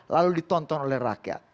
lalu ditonton oleh rakyat